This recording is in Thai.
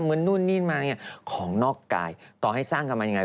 เหมือนนู่นนี่นมาของนอกกายต่อให้สร้างกันมาอย่างไร